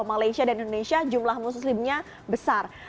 di indonesia dan indonesia jumlah muslimnya besar